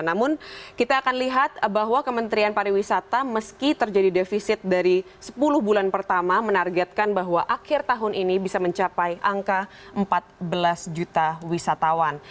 namun kita akan lihat bahwa kementerian pariwisata meski terjadi defisit dari sepuluh bulan pertama menargetkan bahwa akhir tahun ini bisa mencapai angka empat belas juta wisatawan